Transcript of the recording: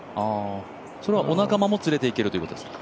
それはお仲間も連れて行けるということですか？